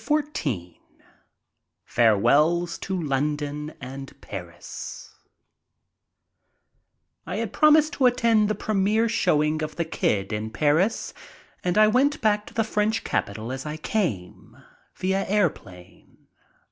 XIV FAREWELLS TO PARIS AND LONDON I HAD promised to attend the primiire showing of "The Kid" in Paris, and I went back to the French capital as I came, via airplane.